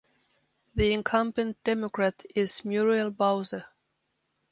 The incumbent Democrat is Muriel Bowser.